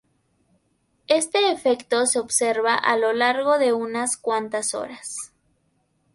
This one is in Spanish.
Este efecto se observa a lo largo de unas cuantas horas.